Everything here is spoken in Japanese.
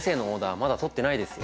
まだとってないですよ。